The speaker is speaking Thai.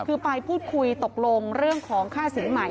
คือไปพูดคุยตกลงเรื่องของค่าสินใหม่